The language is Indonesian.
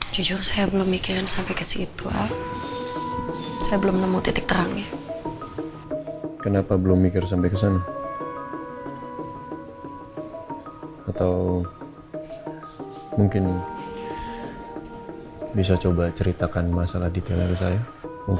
jujur saya belum mikirin sampai ke situ al